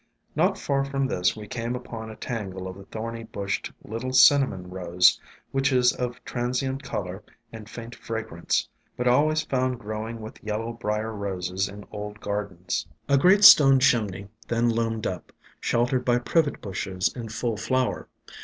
Not far from this we came upon a tangle of the thorny bushed little Cinnamon Rose, which is of transient color and faint fra grance, but always found growing with yellow briar roses in old gardens. A great stone chimney then loomed up, sheltered by Privet Bushes in full flower.